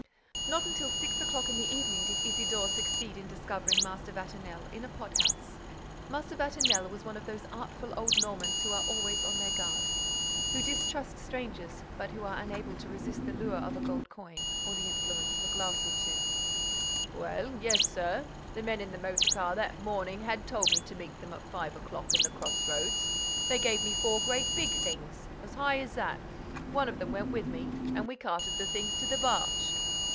Not until six o'clock in the evening did Isidore succeed in discovering Master Vatinel, in a pothouse. Master Vatinel was one of those artful old Normans who are always on their guard, who distrust strangers, but who are unable to resist the lure of a gold coin or the influence of a glass or two: "Well, yes, sir, the men in the motor car that morning had told me to meet them at five o'clock at the crossroads. They gave me four great, big things, as high as that. One of them went with me and we carted the things to the barge."